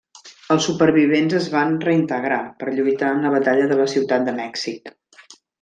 Els supervivents es van reintegrar, per lluitar en la Batalla de la ciutat de Mèxic.